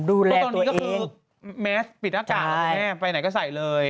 ตัวตอนนี้ก็คือแมสปิดอากาศไปไหนก็ใส่เลย